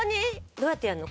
どうやってやるの？